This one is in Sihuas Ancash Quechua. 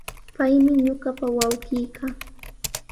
Paymi ñuqapa wawqiiqa.